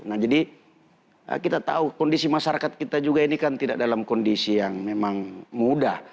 nah jadi kita tahu kondisi masyarakat kita juga ini kan tidak dalam kondisi yang memang mudah